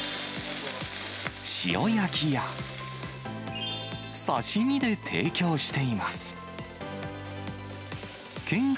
塩焼きや、刺身で提供しています。